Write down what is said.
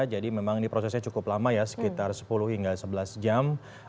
jadi memang ini prosesnya cukup lama ya sekitar sepuluh hingga sebelas jam